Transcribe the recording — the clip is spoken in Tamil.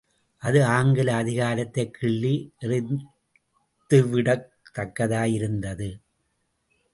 அது ஆங்கில அதிகாரத்தைக் கிள்ளி எறிந்துவிடத் தக்கதாயிருந்ததது.